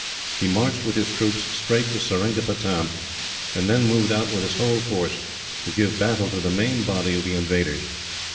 He marched with his troops straight to Seringapatam, and then moved out with his whole force, to give battle to the main body of the invaders.